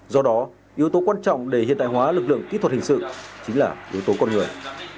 do đó yếu tố quan trọng để hiện đại hóa lực lượng kỹ thuật hình sự chính là yếu tố con người